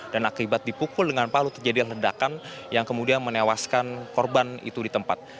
dan akibat dipukul dengan palu terjadi hendakan yang kemudian menewaskan korban itu di tempat